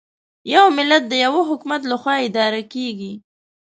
یو ملت د یوه حکومت له خوا اداره کېږي.